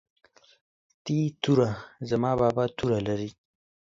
ت توره زما بابا توره لري